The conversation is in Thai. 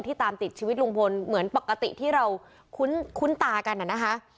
ตามติดชีวิตลุงพลเหมือนปกติที่เราคุ้นตากันน่ะนะคะ